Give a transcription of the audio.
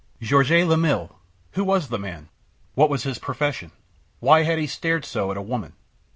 Georges Lamil! Who was the man? What was his profession? Why had he stared so at the woman?